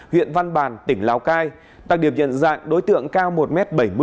huyện văn bàn tỉnh lào cai đặc điểm nhận dạng đối tượng cao một m bảy mươi